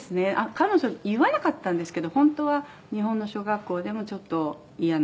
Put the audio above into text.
彼女言わなかったんですけど本当は日本の小学校でもちょっとイヤな思いをしてて